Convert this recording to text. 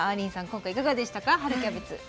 今回いかがでしたか春キャベツ。